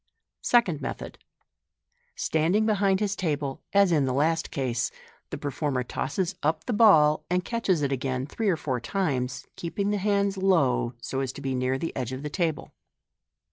Second Method. — Standing behind his table, as in the last case, the performer tosses up the ball, and catches it again three or four times, keeping the hands low, so as to be near the edge of the table.